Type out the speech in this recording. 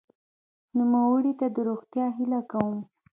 نوموړي ته د روغتیا هیله کوم.